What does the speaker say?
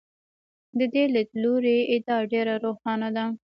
د دې لیدلوري ادعا ډېره روښانه ده.